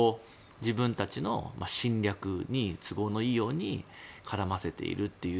自分たちの侵略に都合のいいように絡ませているという。